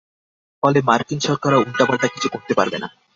ফলে মার্কিন সরকারও উল্টা-পাল্টা কিছু করতে পারবে না।